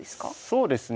そうですね。